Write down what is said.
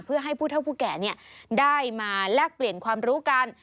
เพื่อให้ผู้เท่าผู้แก่ได้มาแลกเปลี่ยนความรู้กัน